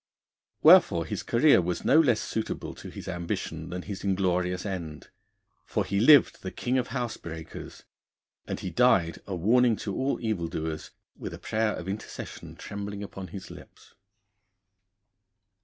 Wherefore his career was no less suitable to his ambition than his inglorious end. For he lived the king of housebreakers, and he died a warning to all evildoers, with a prayer of intercession trembling upon his lips.